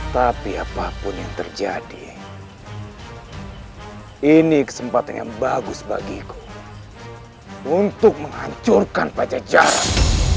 tapi apapun yang terjadi ini kesempatan yang bagus bagiku untuk menghancurkan pajak jalan